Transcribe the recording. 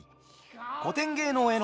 「古典芸能への招待」